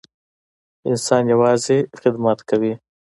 انسان یوازې خدمت کوي.